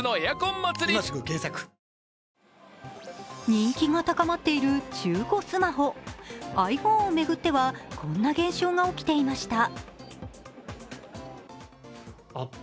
人気が高まっている中古スマホ、ｉＰｈｏｎｅを巡っては、こんな現象が起きていました。